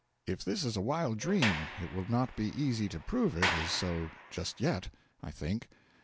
If this is a wild dream it will not be easy to prove it is so just yet, I think.